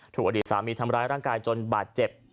ถูกอดีตสามีทำร้ายร่างกายจนบาดเจ็บ